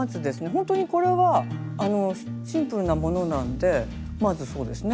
ほんとにこれはシンプルなものなんでまずそうですね。